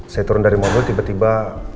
saya turun dari mobil tiba tiba